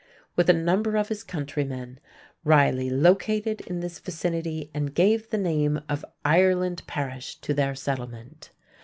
With a number of his countrymen, Riley located in this vicinity and gave the name of "Ireland Parish" to their settlement.